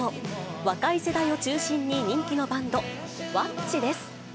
若い世代を中心に人気のバンド、ワッチです。